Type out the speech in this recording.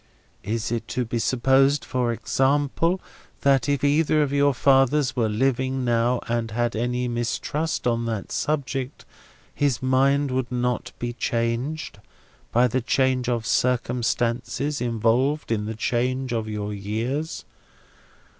Is it to be supposed, for example, that if either of your fathers were living now, and had any mistrust on that subject, his mind would not be changed by the change of circumstances involved in the change of your years?